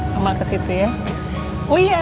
mama kesitu ya